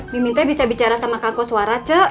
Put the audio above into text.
mimin tuh bisa bicara sama kangkoswara c